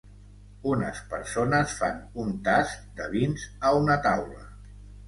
Unes persones fan un tast de vins a una taula.